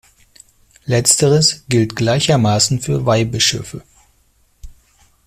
Letzteres gilt gleichermaßen für Weihbischöfe.